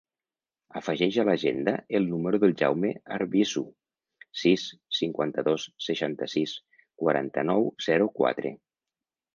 Afegeix a l'agenda el número del Jaume Arbizu: sis, cinquanta-dos, seixanta-sis, quaranta-nou, zero, quatre.